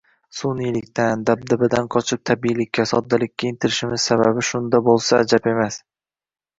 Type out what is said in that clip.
Sun’iylikdan, dabdabadan qochib, tabiiylikka, soddalikka intilishimiz sababi shunda bo‘lsa, ajab emas.